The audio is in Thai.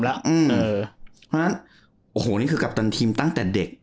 เพราะฉะนั้นโอ้โหนี่คือกัปตันทีมตั้งแต่เด็ก